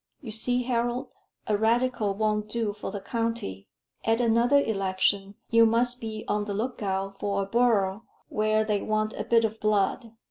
You see, Harold, a Radical won't do for the county. At another election, you must be on the look out for a borough where they want a bit of blood.